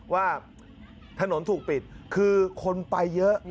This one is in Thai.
ว่าถนนถูกปิดคือคนไปเยอะ